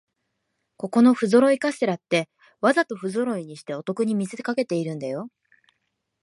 ここのふぞろいカステラって、わざとふぞろいにしてお得に見せかけてるんだよ